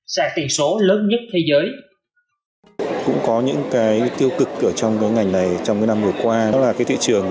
sàn tiền số lớn nhất thế giới